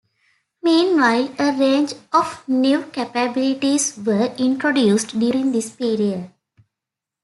Meanwhile, a range of new capabilities were introduced during this period.